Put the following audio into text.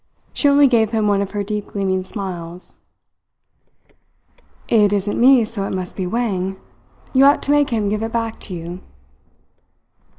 She only gave him one of her deep gleaming smiles. "It isn't me so it must be Wang. You ought to make him give it back to you."